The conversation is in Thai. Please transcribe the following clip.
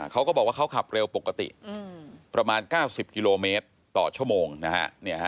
เขาก็บอกว่าเขาขับเร็วปกติประมาณ๙๐กิโลเมตรต่อชั่วโมงนะฮะ